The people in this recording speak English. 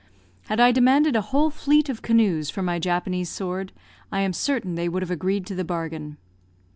Had I demanded a whole fleet of canoes for my Japanese sword, I am certain they would have agreed to the bargain.